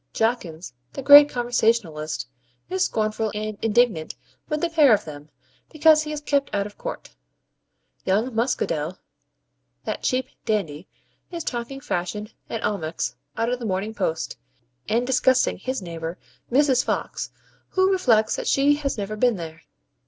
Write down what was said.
Jawkins, the great conversationalist, is scornful and indignant with the pair of them, because he is kept out of court. Young Muscadel, that cheap dandy, is talking Fashion and Almack's out of the MORNING POST, and disgusting his neighbour, Mrs. Fox, who reflects that she has never been there.